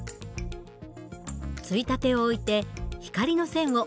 ついたてを置いて光の線を細くします。